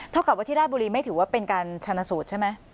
เท่ากับว่าที่ราชบุรีไม่ถือว่าเป็นการชนะสูตรใช่ไหม